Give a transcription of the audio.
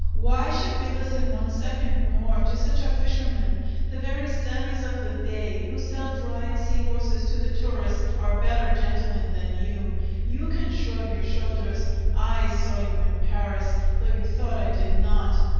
"Why should we listen one second more to such a fisherman! The very seiners of the bay who sell dried sea horses to the tourists are better gentlemen than you. You can shrug your shoulders! I saw you in Paris, though you thought I did not!